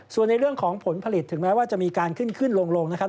ส่วนในเรื่องของผลผลิตถึงแม้ว่าจะมีการขึ้นขึ้นลงนะครับ